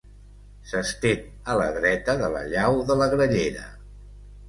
S'estén a la dreta de la llau de la Grallera.